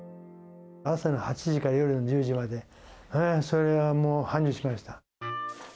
朝の８時から夜の１０時まで、それはもう繁盛しました。